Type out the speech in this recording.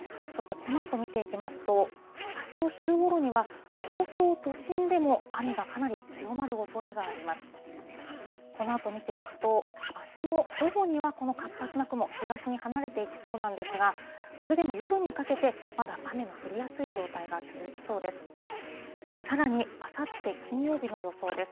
このあと見ていくと、あすの午後には、この活発な雲、東に離れていきそうなんですが、それでも夜にかけて、まだ雨の降りやすい状態が続きそうです。